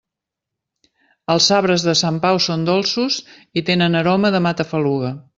Els sabres de Sant Pau són dolços i tenen aroma de matafaluga.